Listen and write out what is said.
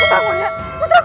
ini jangan masuk